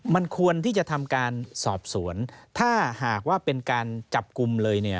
มันควรที่จะทำการสอบสวนถ้าหากว่าเป็นการจับกลุ่มเลยเนี่ย